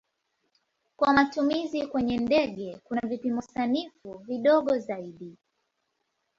Kwa matumizi kwenye ndege kuna vipimo sanifu vidogo zaidi.